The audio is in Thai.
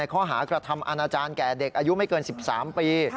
ข้อหากระทำอาณาจารย์แก่เด็กอายุไม่เกิน๑๓ปี